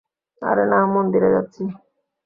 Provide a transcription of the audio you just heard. আরে মা, মন্দিরে যাচ্ছি।